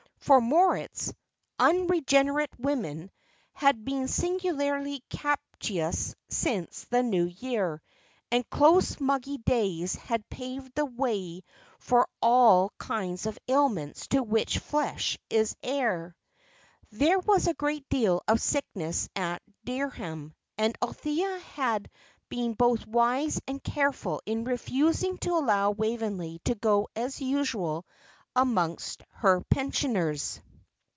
For Moritz's "unregenerate woman" had been singularly captious since the New Year, and close muggy days had paved the way for all kinds of ailments to which flesh is heir. There was a great deal of sickness at Dereham, and Althea had been both wise and careful in refusing to allow Waveney to go as usual amongst her pensioners.